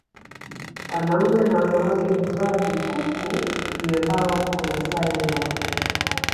Wanaume na wanawake huvaa vikuku vya mbao Wamasai wanawake